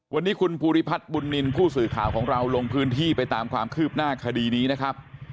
วันนี้คุณภูริพัฒน์บุญนินทร์ผู้สื่อข่าวของเราลงพื้นที่ไปตามความคืบหน้าคดีนี้นะครับ